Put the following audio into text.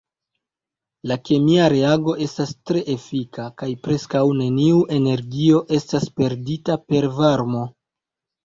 La kemia reago estas tre efika, kaj preskaŭ neniu energio estas perdita per varmo.